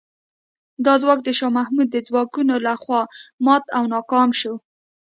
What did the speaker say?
دا ځواک د شاه محمود د ځواکونو له خوا مات او ناکام شو.